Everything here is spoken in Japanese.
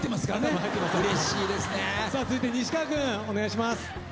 続いて西川君お願いします。